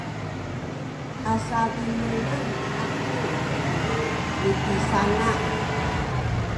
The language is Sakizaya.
a sadimelen aku ku nipisinga’